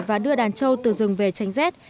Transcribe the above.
và đưa đàn trâu từ rừng về tranh rết